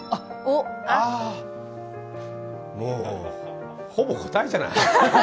もうほぼ答えじゃない。